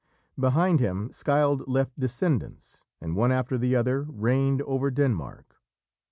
Behind him Scyld left descendants, and one after the other reigned over Denmark.